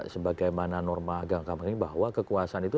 sebagaimana norma agama ini bahwa kekuasaan itu